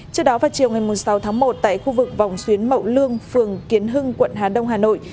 trước đó vào chiều ngày sáu tháng một tại khu vực vòng xuyến mậu lương phường kiến hưng quận hà đông hà nội